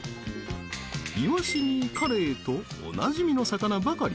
イワシにカレイとおなじみの魚ばかり。